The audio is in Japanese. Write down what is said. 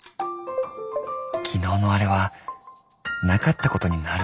昨日のあれはなかったことになる？